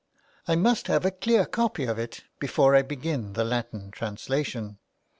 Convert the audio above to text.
" I must have a clear copy of it before I begin the Latin translation."